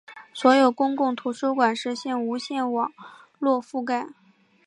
所有公共图书馆实现无线网络覆盖。